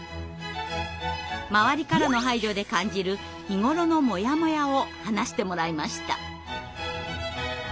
周りからの配慮で感じる日頃のモヤモヤを話してもらいました。